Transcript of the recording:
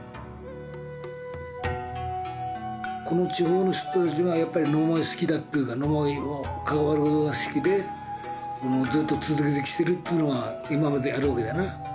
この地方の人たちがやっぱり野馬追を好きだというか野馬追を関わることが好きでずっと続けてきてるっていうのが今まであるわけだよな。